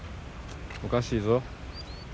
おかしいぞ。